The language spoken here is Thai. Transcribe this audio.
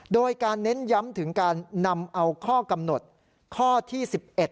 โดยการเน้นย้ำถึงการนำเอาข้อกำหนดข้อที่๑๑